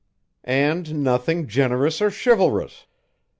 "And nothing generous or chivalrous.